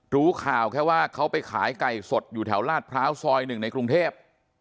รู้ข่าวแค่ว่าเขาไปขายไก่สดอยู่แถวลาดพร้าวซอย๑ในกรุงเทพ